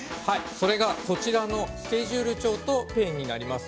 ◆それがこちらのスケジュール帳とペンになります。